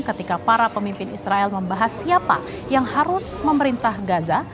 ketika para pemimpin israel membahas siapa yang harus memerintah gaza